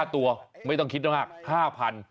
๕ตัวไม่ต้องคิดมาก๕๐๐บาท